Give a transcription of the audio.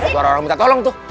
suara orang minta tolong tuh